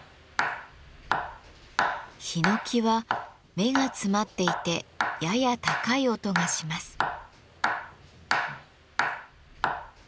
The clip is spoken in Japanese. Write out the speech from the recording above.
ひのきは目が詰まっていてやや高い音がします。